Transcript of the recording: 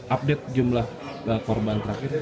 update jumlah korban terakhir